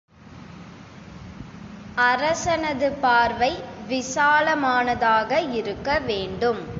அரசனது பார்வை விசாலமானதாக இருக்க வேண்டும்.